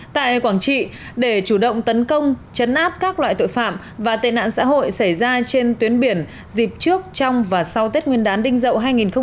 tại quảng trị để chủ động tấn công chấn áp các loại tội phạm và tên nạn xã hội xảy ra trên tuyến biển dịp trước trong và sau tết nguyên đán đinh dậu hai nghìn hai mươi